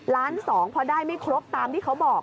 ล้านสองพอได้ไม่ครบตามที่เขาบอก